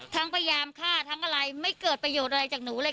พยายามฆ่าทั้งอะไรไม่เกิดประโยชน์อะไรจากหนูเลย